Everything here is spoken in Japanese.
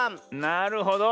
なるほど。